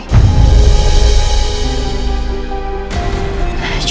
coba kamu lupain bayi itu